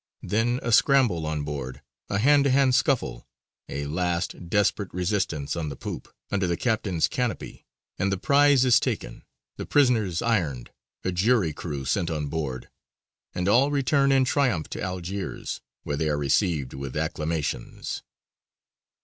Then a scramble on board, a hand to hand scuffle, a last desperate resistance on the poop, under the captain's canopy, and the prize is taken, the prisoners ironed, a jury crew sent on board, and all return in triumph to Algiers, where they are received with acclamations.